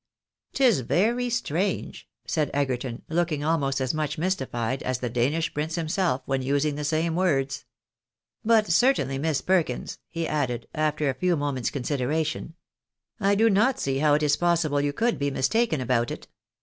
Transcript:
" 'Tis very strange," said Egerton, looking almost as much mystified as the Danish prince himself when using the same words. " But certainly. Miss Perkins," he added, after a few moments' consideration, " I do not see how it is possible you could be mis taken about it."